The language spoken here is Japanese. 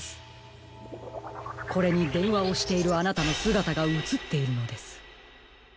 これにでんわをしているあなたのすがたがうつっているのです。